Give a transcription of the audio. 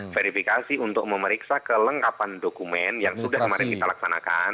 verifikasi untuk memeriksa kelengkapan dokumen yang sudah kemarin kita laksanakan